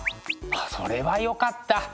それはよかった。